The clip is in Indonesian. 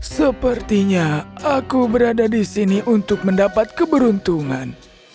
sepertinya aku berada di sini untuk mendapat keberuntungan